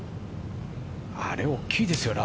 あれ大きいですよね